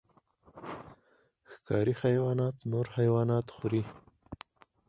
ښکاري حیوانات نور حیوانات خوري